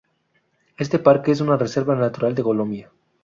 Este parque es una reserva natural en Colombia.